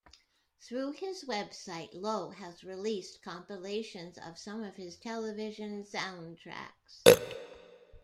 Through his website, Lowe has released compilations of some of his television soundtracks.